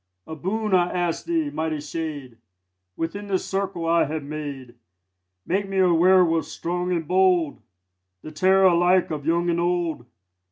A boon I ask thee, mighty shade. Within this circle I have made, Make me a werwolf strong and bold, The terror alike of young and old.